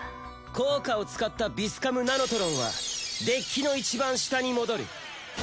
効果を使ったヴィスカム・ナノトロンはデッキのいちばん下に戻る。